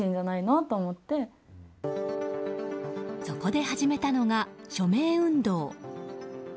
そこで始めたのが署名運動。